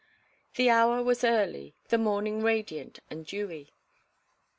The hour was early, the morning radiant and dewy.